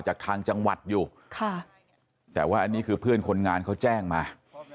จากทางจังหวัดอยู่ค่ะแต่ว่าอันนี้คือเพื่อนคนงานเขาแจ้งมา